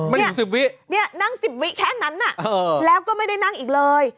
ไม่ถึง๑๐วินาทีนี่นั่ง๑๐วินาทีแค่นั้นน่ะแล้วก็ไม่ได้นั่งอีกเลย